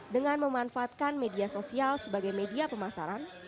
dengan memanfaatkan media sosial sebagai media pemasaran